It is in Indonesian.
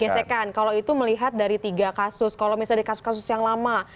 gesekan kalau itu melihat dari tiga kasus kalau misalnya di kasus kasus yang lama